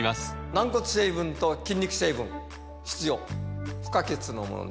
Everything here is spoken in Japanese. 軟骨成分と筋肉成分必要不可欠のものです